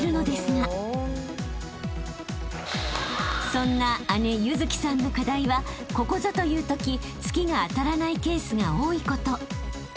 ［そんな姉優月さんの課題はここぞというとき突きが当たらないケースが多いこと］